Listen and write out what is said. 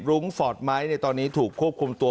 รุ้งฟอร์ดไม้ในตอนนี้ถูกควบคุมตัว